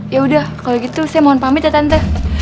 yaudah kalau gitu saya mohon pamit ya tanda